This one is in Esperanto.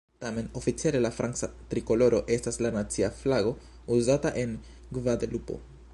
Tamen, oficiale la franca trikoloro estas la nacia flago uzata en Gvadelupo.